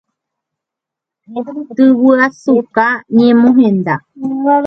Tuguyasuka ñemohenda.